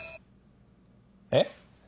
えっ？